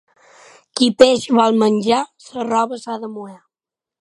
Qui peix vol menjar la roba s'ha de mullar.